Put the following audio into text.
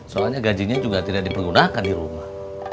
soalnya gajinya juga tidak dipergunakan di rumah